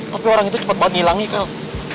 tapi orang itu cepet banget nilang nih kal